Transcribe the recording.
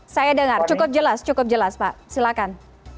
saya dengar cukup jelas pak silakan